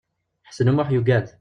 Ḥsen U Muḥ yugad.